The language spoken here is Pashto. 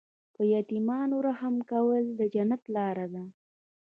په یتیمانو رحم کول د جنت لاره ده.